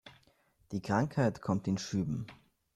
Die Krankheit kommt in Schüben.